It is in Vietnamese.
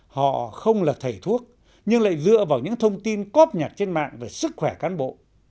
họ không là thầy thuốc nhưng lại dựa vào những thông tin cóp nhạt trên mạng về sức khỏe cán bộ